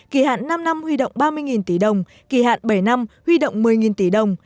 kỳ hạn năm năm huy động ba mươi tỷ đồng kỳ hạn bảy năm huy động một mươi tỷ đồng